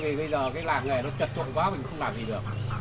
vì bây giờ cái làm nghề nó trật trộn quá mình không làm gì được